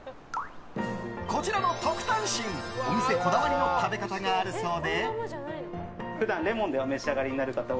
こちらの特タン芯お店こだわりの食べ方があるそうで。